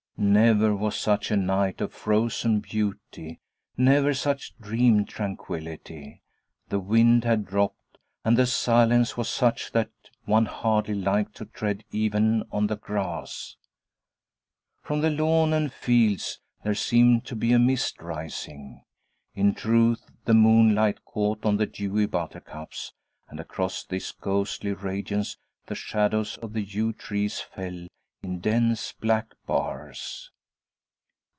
Never was such a night of frozen beauty, never such dream tranquillity. The wind had dropped, and the silence was such that one hardly liked to tread even on the grass. From the lawn and fields there seemed to be a mist rising in truth, the moonlight caught on the dewy buttercups; and across this ghostly radiance the shadows of the yew trees fell in dense black bars.